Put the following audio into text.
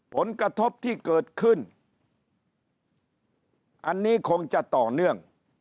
ผลกระทบที่เกิดขึ้นอันนี้คงจะต่อเนื่อง